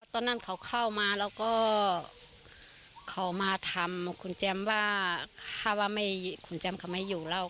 ตอนนั้นเขาเข้ามาแล้วก็เขามาทำคุณแจ้มว่าถ้าว่าคุณแจมเขาไม่อยู่แล้ว